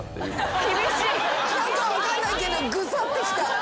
何か分かんないけどグサッてきた。